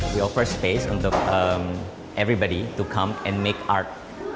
kita memberikan ruang untuk semua orang untuk datang dan membuat karya